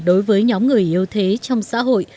đối với nhóm người yêu thế trong xã hội